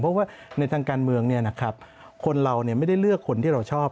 เพราะว่าในทางการเมืองคนเราไม่ได้เลือกคนที่เราชอบ